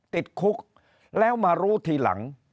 ติดคุกแล้วมารู้ทีหลัง